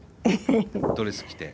ドレス着て。